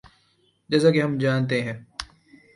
جیسا کہ ہم جانتے ہیں۔